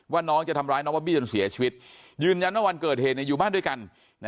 น้องจะทำร้ายน้องบอบบี้จนเสียชีวิตยืนยันว่าวันเกิดเหตุอยู่บ้านด้วยกัน